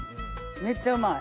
めっちゃうまい。